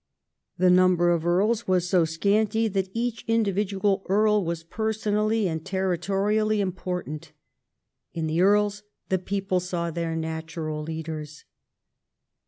The number of earls was so scanty that each individual earl Avas personally and territorially important. In the earls the people saw their natural leaders.